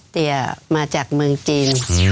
เตียมาจากเมืองจีน